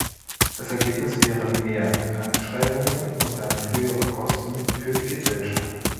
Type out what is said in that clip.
Das Ergebnis wären mehr Krankschreibungen und damit höhere Kosten für die Gesellschaft.